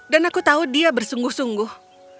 dan aku tahu dia bersungguh sungguh